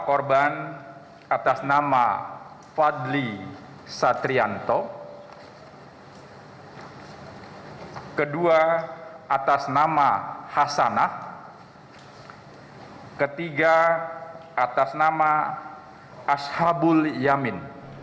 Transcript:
korban atas nama fadli satrianto kedua atas nama hasanah ketiga atas nama ashabul yamin